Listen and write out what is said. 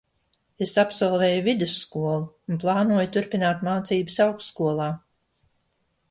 Es absolvēju vidusskolu un plānoju turpināt mācības augstskolā.